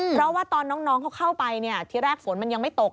เพราะว่าตอนน้องเขาเข้าไปทีแรกฝนมันยังไม่ตก